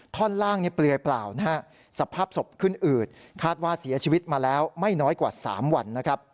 ท่อนล่างเปลือกเปล่าสภาพสดขึ้นอืดคาดว่าเสียชีวิตมาแล้วไม่น้อยกว่า๓วัน